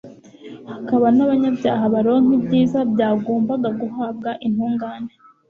hakaba n'abanyabyaha baronka ibyiza byagombaga guhabwa intungane